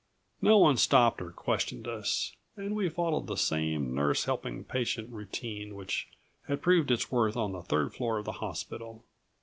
No one stopped or questioned us, and we followed the same nurse helping patient routine which had proved its worth on the third floor of the hospital.